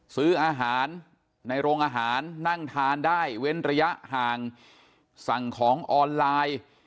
ซื้ออาหารในโรงอาหารนั่งทานได้เว้นระยะห่างสั่งของออนไลน์